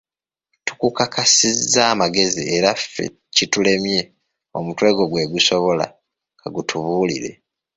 Tukukakasizza amagezi era ffe kitulemye omutwe gwo gwe gusobola, ka gutubuulire.